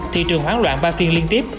thị trường hoán loạn ba phiên liên tiếp